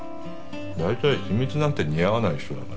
大体秘密なんて似合わない人だから。